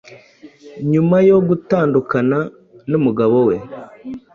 nyuma yo gutandukana n’umugabo we